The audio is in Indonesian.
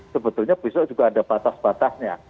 sebetulnya besok juga ada batas batasnya